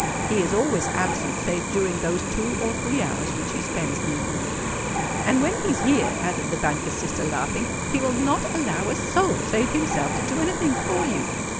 He is always absent save during those two or three hours which he spends near you." "And when he is here," added the banker's sister, laughing, "he will not allow a soul save himself to do any thing for you.